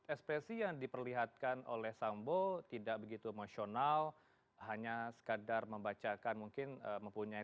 ekspresi yang diperlihatkan oleh sambo tidak begitu emosional hanya sekadar membacakan mungkin mempunyai